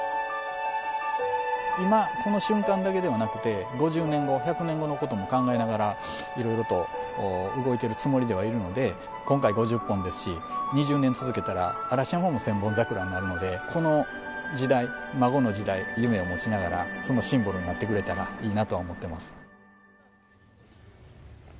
今この瞬間だけではなくて、５０年後、１００年後のことも考えながらいろいろと動いているつもりではいるので、今回５０本ですし、２０年続けたら嵐山も千本桜になるので、この時代、孫の時代、夢を持ちながら、そのシンボルになってくれたらいいなとは思ってます。